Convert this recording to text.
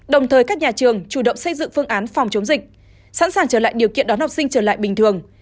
đồng thời các nhà trường chủ động xây dựng phương án phòng chống dịch sẵn sàng trở lại điều kiện đón học sinh trở lại bình thường